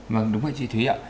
vâng đúng vậy chị thúy ạ